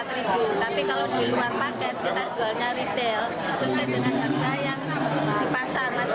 rp empat tapi kalau di luar paket kita jualnya retail sesuai dengan harga yang di pasar